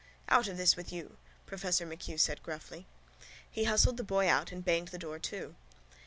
—Out of this with you, professor MacHugh said gruffly. He hustled the boy out and banged the door to.